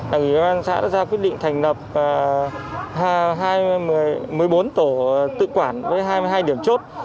đặc biệt là ban xã đã ra quyết định thành lập một mươi bốn tổ tự quản với hai mươi hai điểm chốt